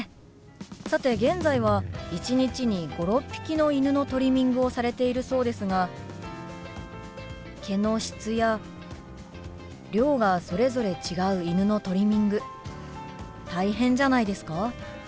さて現在は一日に５６匹の犬のトリミングをされているそうですが毛の質や量がそれぞれ違う犬のトリミング大変じゃないですか？